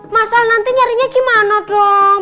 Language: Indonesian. masa nanti nyarinya gimana dong